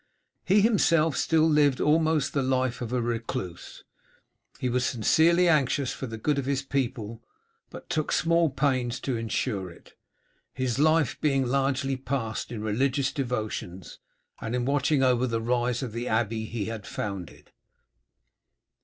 He himself still lived almost the life of a recluse. He was sincerely anxious for the good of his people, but took small pains to ensure it, his life being largely passed in religious devotions, and in watching over the rise of the abbey he had founded.